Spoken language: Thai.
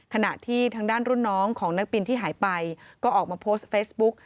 ขณะที่ทางด้านรุ่นน้องของนักบินที่หายไปก็ออกมาโพสต์เฟซบุ๊ก